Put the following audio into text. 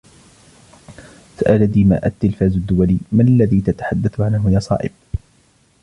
سأل ديما: " التلفاز الدولي ؟ ما الذي تتحدث عنه يا صائب ؟"